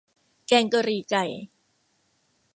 แกงกะหรี่ไก่